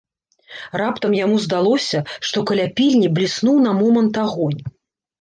Раптам яму здалося, што каля пільні бліснуў на момант агонь.